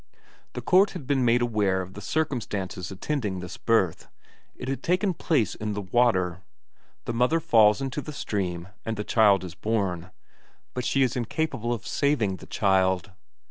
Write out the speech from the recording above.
The court had been made aware of the circumstances attending this birth: it had taken place in the water; the mother falls into the stream, and the child is born, but she is incapable of saving the child.